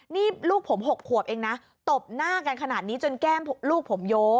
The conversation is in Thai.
นี่ลูกผม๖ขวบเองนะตบหน้ากันขนาดนี้จนแก้มลูกผมโย้